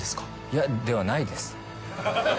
いやではないです。